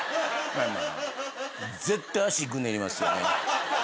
絶対足ぐねりますよね。